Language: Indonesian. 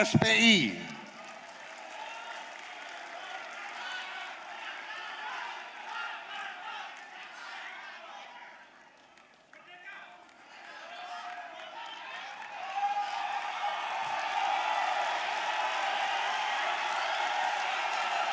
sebenarnya ayolah makan sama